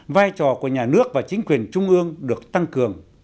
vai trò của nhà nước và chính quyền trung ương được tăng cường